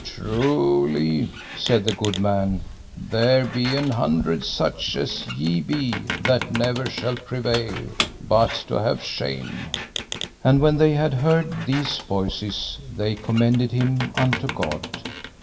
Truly, said the good man, there be an hundred such as ye be that never shall prevail, but to have shame. And when they had heard these voices they commended him unto God.